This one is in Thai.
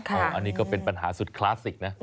อันนี้ก็เป็นปัญหาสุดคลาสสิกนะ